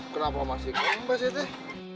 kenapa masih kempes ya teh